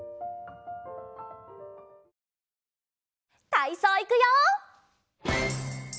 たいそういくよ！